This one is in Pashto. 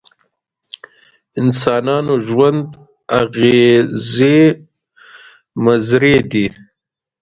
انسانانو ژوند اغېزې مضرې دي.